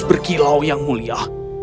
berkilau yang mulia